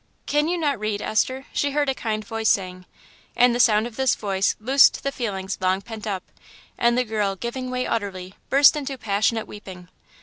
"Can you not read, Esther?" she heard a kind voice saying; and the sound of this voice loosed the feelings long pent up, and the girl, giving way utterly, burst into passionate weeping.